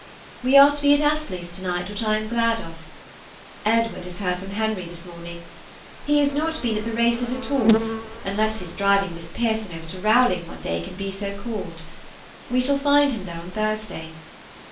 We are to be at Astley's to night, which I am glad of. Edward has heard from Henry this morning. He has not been at the races at all, unless his driving Miss Pearson over to Rowling one day can be so called. We shall find him there on Thursday.